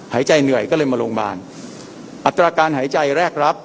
หายใจเหนื่อยก็เลยมาโรงพยาบาลอัตราการหายใจแรกรับ